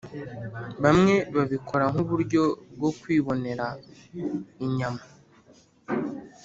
bamwe babikora nk’uburyo bwo kwibonera inyama,